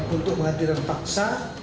untuk menghadirkan paksa